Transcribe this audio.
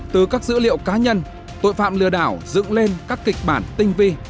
từ các dữ liệu cá nhân tội phạm lừa đảo dựng lên các kịch bản tinh vi